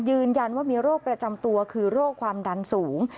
ยืนยันว่ามีโรคประจำตัวคือโรคความดันสูง